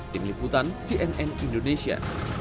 tim liputan cnn indonesia